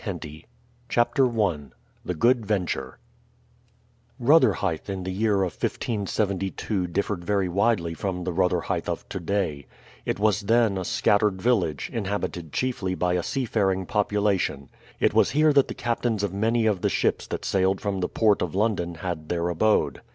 HENTY CHAPTER I THE "GOOD VENTURE" Rotherhithe in the year of 1572 differed very widely from the Rotherhithe of today. It was then a scattered village, inhabited chiefly by a seafaring population. It was here that the captains of many of the ships that sailed from the port of London had their abode.